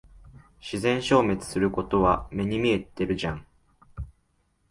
自然消滅することは目に見えてるじゃん。